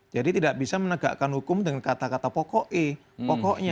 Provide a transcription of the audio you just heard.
jadi tidak bisa menegakkan hukum dengan kata kata pokoknya